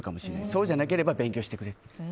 そうじゃなければ勉強してくれと。